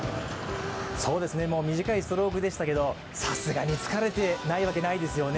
短いストロークでしたけれども、さすがに疲れていないわけないですよね。